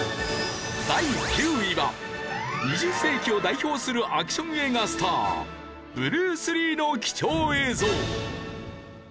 第９位は２０世紀を代表するアクション映画スターブルース・リーの貴重映像。